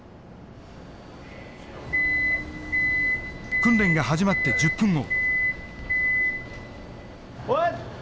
訓練が始まって１０分後。